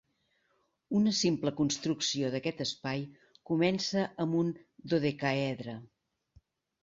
Una simple construcció d'aquest espai comença amb un dodecaedre.